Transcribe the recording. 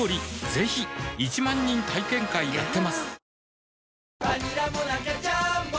ぜひ１万人体験会やってますはぁ。